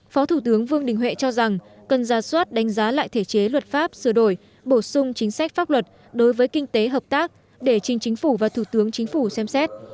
phó thủ tướng vương đình huệ cho rằng cần ra soát đánh giá lại thể chế luật pháp sửa đổi bổ sung chính sách pháp luật đối với kinh tế hợp tác để chính chính phủ và thủ tướng chính phủ xem xét